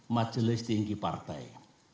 majelis tinggi partai